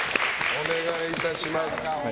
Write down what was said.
お願いいたします。